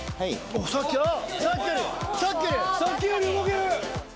さっきより動ける。